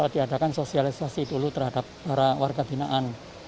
diadakan sosialisasi dulu terhadap para warga binaan